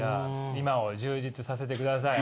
今を充実させてください。